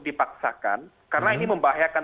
dipaksakan karena ini membahayakan